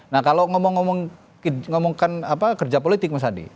nah kalau ngomongkan kerja politik mas adi